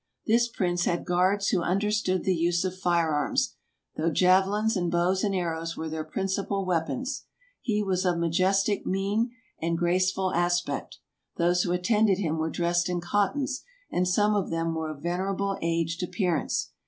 This prince had guards who un derstood the use of firearms, though javelins and bows and arrows were their principal weapons. He was of majestic mien and graceful aspect. Those who attended him were dressed in cottons, and some of them were of venerable aged appearance.